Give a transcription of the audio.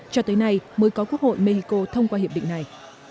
cho tới nay mới có quốc hội mexico thông qua hiệp định này